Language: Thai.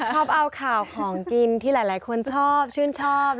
ชอบเอาข่าวของกินที่หลายคนชอบชื่นชอบ